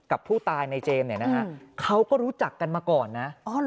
กับผู้ตายในเจมส์เนี่ยนะฮะเขาก็รู้จักกันมาก่อนนะ